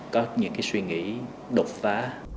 có những cái suy nghĩ đột phá